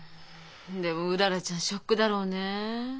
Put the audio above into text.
でもうららちゃんショックだろうねえ。